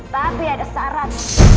tapi ada syarat